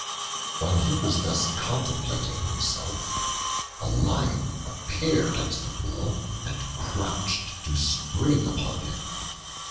While he was thus contemplating himself, a Lion appeared at the pool and crouched to spring upon him.